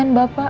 ibu udah pasrah